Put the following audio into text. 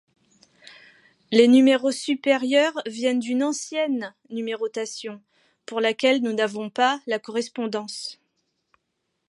Les numéros supérieurs viennent d'une ancienne numérotation pour laquelle nous n'avons pas la correspondance.